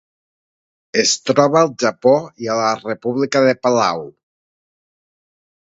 Es troba al Japó i a la República de Palau.